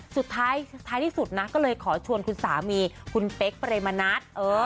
สุดท้ายที่สุดนะก็เลยขอชวนคุณสามีคุณเป๊กเปรมณัฐ